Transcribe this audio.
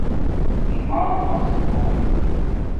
اِمامس مُو